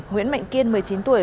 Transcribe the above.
nguyễn mạnh kiên một mươi chín tuổi